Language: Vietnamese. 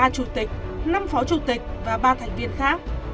ba chủ tịch năm phó chủ tịch và ba thành viên khác